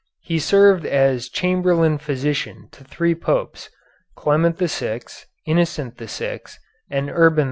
He served as chamberlain physician to three Popes, Clement VI, Innocent VI, and Urban V.